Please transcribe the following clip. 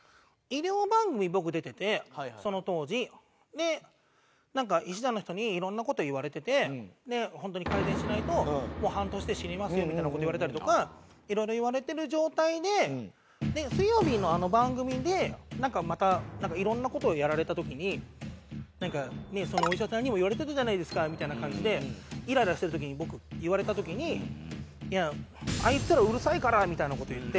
でなんか医師団の人に色んな事言われてて「ホントに改善しないともう半年で死にますよ」みたいな事を言われたりとか色々言われてる状態で『水曜日の』あの番組でなんかまた色んな事をやられた時に「お医者さんにも言われてたじゃないですか」みたいな感じでイライラしてる時に僕言われた時に「いやあいつらうるさいから」みたいな事を言って。